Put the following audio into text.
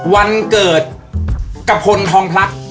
วันเกิดกับพลทองพลักษ